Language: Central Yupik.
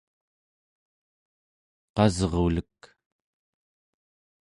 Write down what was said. qasrulek